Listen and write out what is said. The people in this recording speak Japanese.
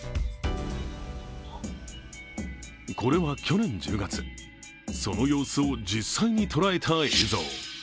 これは去年１０月、その様子を実際に捉えた映像。